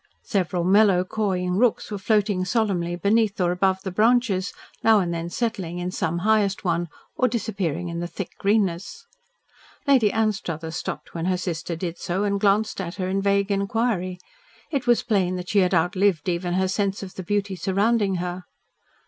Several mellow, cawing rooks were floating solemnly beneath or above the branches, now wand then settling in some highest one or disappearing in the thick greenness. Lady Anstruthers stopped when her sister did so, and glanced at her in vague inquiry. It was plain that she had outlived even her sense of the beauty surrounding her.